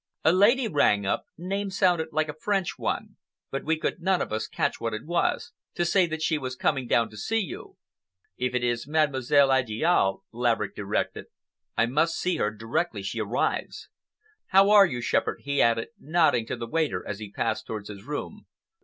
"A lady rang up—name sounded like a French one, but we could none of us catch what it was—to say that she was coming down to see you." "If it is Mademoiselle Idiale," Laverick directed, "I must see her directly she arrives. How are you, Shepherd?" he added, nodding to the waiter as he passed towards his room.